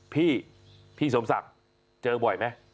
พี่พี่สมศักดิ์เจอบ่อยไหม